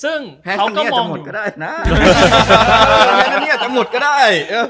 ซึ่งเขาก็มองแพทย์ตรงเนี้ยจะหมดก็ได้นะแพทย์ตรงเนี้ยจะหมดก็ได้